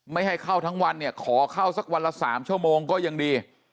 ไม่ให้เข้าทั้งวันเนี่ยขอเข้าสักวันละ๓ชั่วโมงก็ยังดี